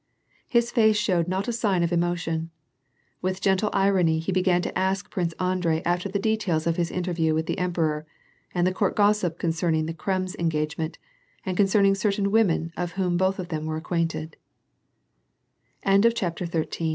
His face showed not a sign of emotion. With gentle irony he began to ask l*rince Andrei after the details of his interview with the enij)eror, the court gossip concerning the Kreuis engagement, and concerning certain women with whom both of them wer